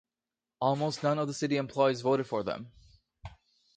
Almost none of the city employees voted for them.